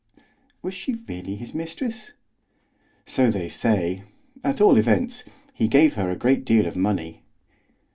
"Was she really his mistress?" "So they say; at all events, he gave her a great deal of money."